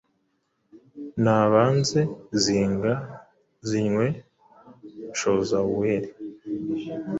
Nabanze Zinga-zinywe, Shoza wuhire,